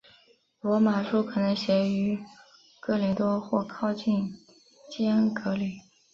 罗马书可能写于哥林多或靠近坚革哩。